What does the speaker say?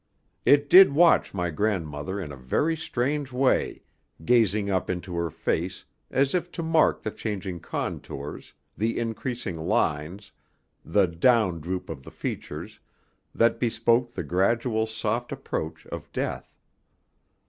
It did watch my grandmother in a very strange way, gazing up into her face, as if to mark the changing contours, the increasing lines, the down droop of the features, that bespoke the gradual soft approach of death.